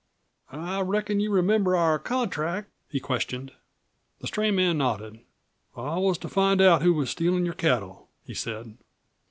"I reckon you remember our contract?" he questioned. The stray man nodded. "I was to find out who was stealin' your cattle," he said.